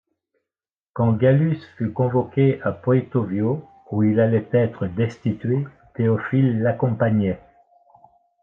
Quand Gallus fut convoqué à Poetovio où il allait être destitué, Théophile l'accompagnait.